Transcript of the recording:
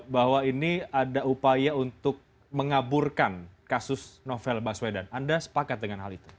bahwa ini ada upaya untuk mengaburkan kasus novel baswedan anda sepakat dengan hal itu